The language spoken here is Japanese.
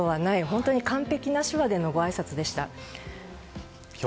本当に完璧な手話でのごあいさつでした。